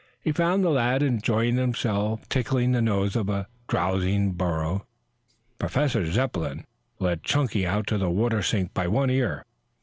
He found the lad enjoying himself tickling the nose of a drowsy burro. Professor Zepplin led Chunky out to the water sink, by one ear.